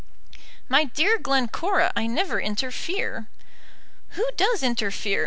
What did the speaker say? "My dear Glencora, I never interfere." "Who does interfere?